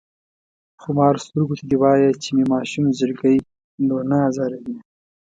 خمارو سترګو ته دې وايه چې مې ماشوم زړګی نور نه ازاروينه شي